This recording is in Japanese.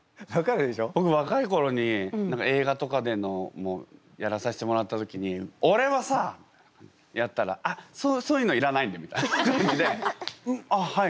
ぼくわかいころに映画とかでのやらさせてもらった時に「おれはさ！」やったら「あっそういうのいらないんで」みたいな感じであっはい。